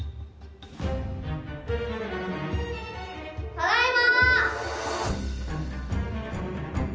・ただいま！